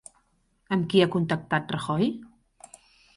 Amb qui ha contactat Rajoy?